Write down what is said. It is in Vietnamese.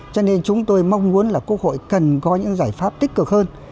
cho nên chúng tôi mong muốn là quốc hội cần có những giải pháp tích cực hơn